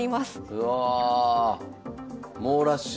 うわあ猛ラッシュ。